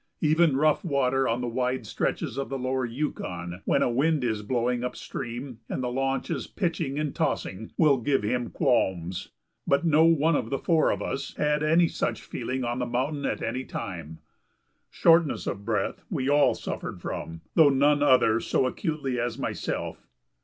Even rough water on the wide stretches of the lower Yukon, when a wind is blowing upstream and the launch is pitching and tossing, will give him qualms. But no one of the four of us had any such feeling on the mountain at any time. Shortness of breath we all suffered from, though none other so acutely as myself.